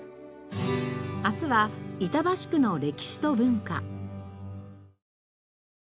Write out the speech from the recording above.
明日は板橋区の歴史と文化。